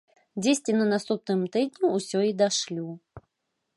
Дзесьці на наступным тыдні ўсё і дашлю.